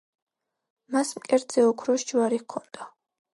მას მკერდზე ოქროს ჯვარი ჰქონდა.